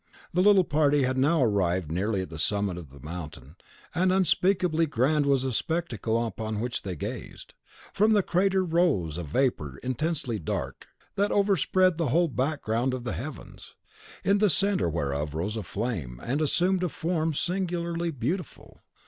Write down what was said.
The little party had now arrived nearly at the summit of the mountain; and unspeakably grand was the spectacle on which they gazed. From the crater arose a vapour, intensely dark, that overspread the whole background of the heavens; in the centre whereof rose a flame that assumed a form singularly beautiful.